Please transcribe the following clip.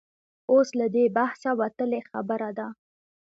اوس له دې بحثه وتلې خبره ده.